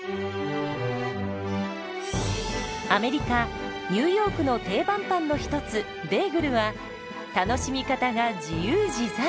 アメリカ・ニューヨークの定番パンの一つベーグルは楽しみ方が自由自在！